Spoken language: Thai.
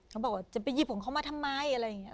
เขาบอกว่าจะไปหยิบของเขามาทำไมอะไรอย่างนี้